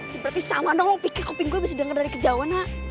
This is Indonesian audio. berarti sama dong lo pikir kopi gue bisa dengar dari kejauhan ha